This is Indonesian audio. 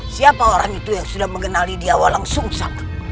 siapa orang itu yang sudah mengenali dia wolang sungsang